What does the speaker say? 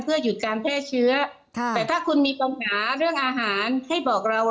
หยุดการแพร่เชื้อแต่ถ้าคุณมีปัญหาเรื่องอาหารให้บอกเรา